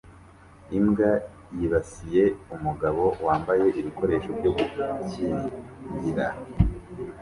Imbwa yibasiye umugabo wambaye ibikoresho byo gukingira